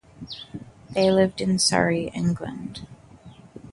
They lived in Surrey, England.